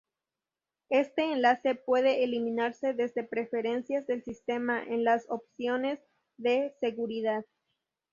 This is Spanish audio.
Este enlace puede eliminarse desde Preferencias del Sistema, en las opciones de seguridad.